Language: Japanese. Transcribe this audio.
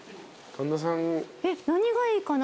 えっ何がいいかな？